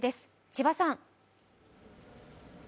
千葉さん。